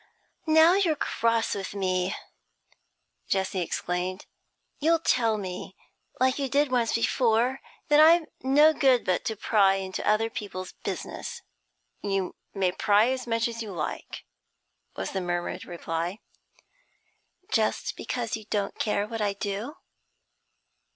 'Now you're cross with me,' Jessie exclaimed. 'You'll tell me, like you did once before, that I'm no good but to pry into other people's business.' 'You may pry as much as you like,' was the murmured reply. 'Just because you don't care what I do?'